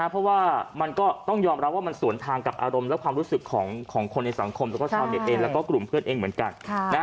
เพราะว่ามันก็ต้องยอมรับว่ามันสวนทางกับอารมณ์และความรู้สึกของคนในสังคมแล้วก็ชาวเน็ตเองแล้วก็กลุ่มเพื่อนเองเหมือนกัน